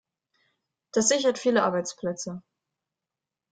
Das sichert viele Arbeitsplätze.